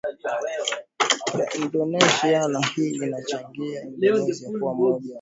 da indonesia na hii inachangia indonesia kuwa moja ya masoko